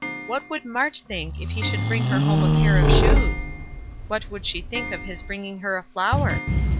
What would Mart think if he should bring her home a pair of shoes? What would she think of his bringing her a flower?